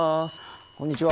こんにちは。